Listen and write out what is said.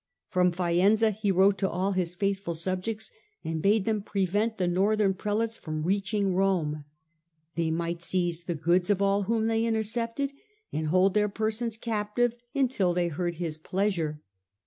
From Faenza he wrote to all his faithful subjects and bade them prevent the Northern Prelates from reaching Rome : they might seize the goods of all whom they intercepted and hold their persons captive until they heard his pleasure.